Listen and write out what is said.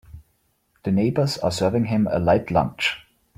The neighbors are serving him a light lunch.